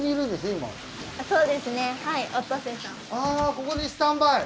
あここでスタンバイ！